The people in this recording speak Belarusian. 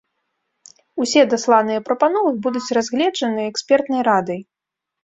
Усе дасланыя прапановы будуць разгледжаныя экспертнай радай.